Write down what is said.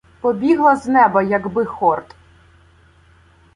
Побігла з неба, як би хорт.